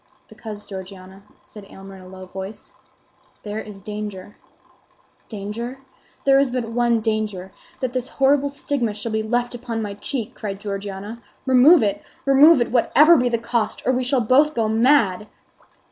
"Because, Georgiana," said Aylmer, in a low voice, "there is danger." "Danger? There is but one danger—that this horrible stigma shall be left upon my cheek!" cried Georgiana. "Remove it, remove it, whatever be the cost, or we shall both go mad!"